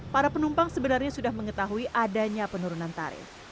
para penumpang sebenarnya sudah mengetahui adanya penurunan tarif